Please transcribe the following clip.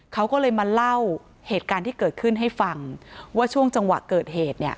เขาก็เลยมาเล่าเหตุการณ์ที่เกิดขึ้นให้ฟังว่าช่วงจังหวะเกิดเหตุเนี่ย